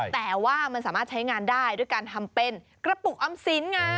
แต่ว่ามันสามารถใช้งานได้ด้วยการทำเป็นกระปุกออมสินไง